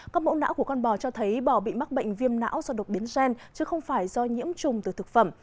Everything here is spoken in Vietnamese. các mẫu não của con bò cho thấy bò bị mắc bệnh viêm não do độc biến gen chứ không phải do nhiễm trùng từ thực phẩm